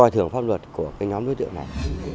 trong lúc hỗn trì